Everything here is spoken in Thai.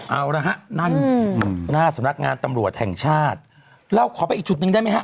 เอาละฮะนั่นหน้าสำนักงานตำรวจแห่งชาติเราขอไปอีกจุดหนึ่งได้ไหมฮะ